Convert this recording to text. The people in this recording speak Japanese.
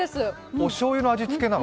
おしょうゆの味付けなの？